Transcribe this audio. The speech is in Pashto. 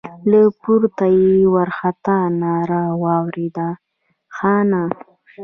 له پورته يې وارخطا ناره واورېده: خانه!